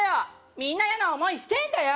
みんな嫌な思いしてんだよ